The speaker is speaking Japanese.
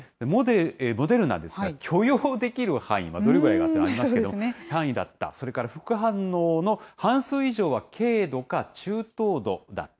モデルナですが、許容できる範囲、どれぐらいかっていうのはありますけど、範囲だった、それから副反応の半数以上は軽度か中等度だった。